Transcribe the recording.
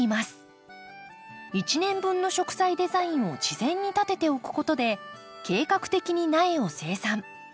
一年分の植栽デザインを事前に立てておくことで計画的に苗を生産。